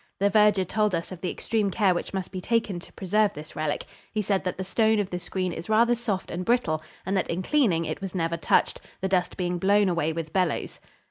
The verger told us of the extreme care which must be taken to preserve this relic. He said that the stone of the screen is rather soft and brittle, and that in cleaning it was never touched, the dust being blown away with bellows.